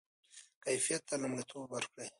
کیفیت ته لومړیتوب ورکړئ.